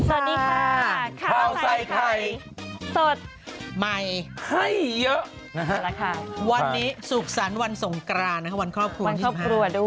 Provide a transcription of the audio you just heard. สวัสดีค่ะข้าวใส่ไข่สดใหม่ให้เยอะนะฮะวันนี้สุขสรรค์วันสงกรานนะคะวันครอบครัววันครอบครัวด้วย